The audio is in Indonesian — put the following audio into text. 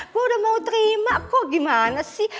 gue udah mau terima kok gimana sih